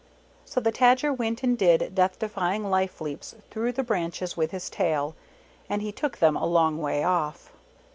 So the Tajer went and did Death defying life leaps through the branches with his tail, and lie took them a long way off.